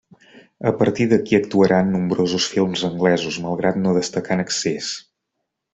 A partir d'aquí actuarà en nombrosos films anglesos, malgrat no destacar en excés.